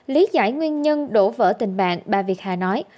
lý giải nguyên nhân đổ vỡ tình bạn bà việt hà nói